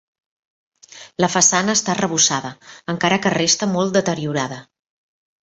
La façana està arrebossada, encara que resta molt deteriorada.